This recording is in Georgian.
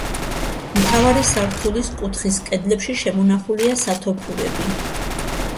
მთავარი სართულის კუთხის კედლებში შემონახულია სათოფურები.